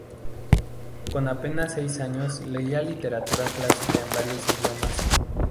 Con apenas seis años leía literatura clásica en varios idiomas.